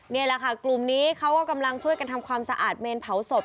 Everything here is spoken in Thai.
นี่แหละค่ะกลุ่มนี้เขาก็กำลังช่วยกันทำความสะอาดเมนเผาศพ